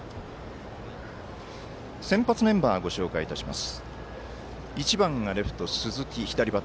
先発メンバーご紹介いたします。